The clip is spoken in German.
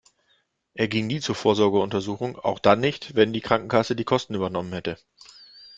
Er ging nie zur Vorsorgeuntersuchung, auch dann nicht, wenn die Krankenkasse die Kosten übernommen hätte.